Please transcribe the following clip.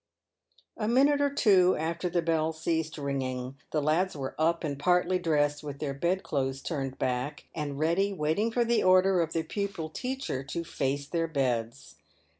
A minute or two after the bell ceased ringing the lads were up and partly dressed, with their bedclothes turned back, and readj waiting for the order of the pupil teacher to " face their beds."